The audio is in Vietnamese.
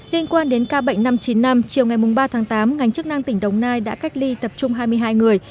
liên quan đến ca bệnh năm trăm chín mươi năm chiều ngày ba tháng tám ngành chức năng tỉnh đồng nai đã cách ly tập trung hai mươi hai người